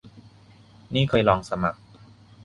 นี่เคยลองสมัคร